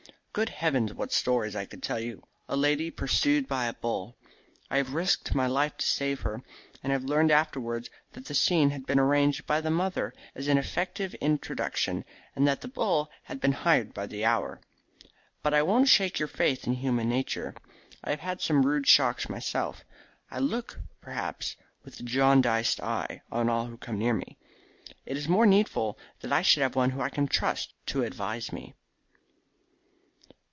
Good heavens, what stories I could tell you! A lady pursued by a bull I have risked my life to save her, and have learned afterwards that the scene had been arranged by the mother as an effective introduction, and that the bull had been hired by the hour. But I won't shake your faith in human nature. I have had some rude shocks myself. I look, perhaps, with a jaundiced eye on all who come near me. It is the more needful that I should have one whom I can trust to advise me."